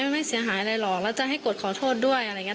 ไม่เสียหายอะไรหรอกแล้วจะให้กดขอโทษด้วยอะไรอย่างนี้